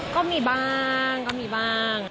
ก็มีบ้างก็มีบ้าง